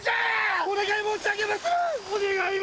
お願い申し上げまする。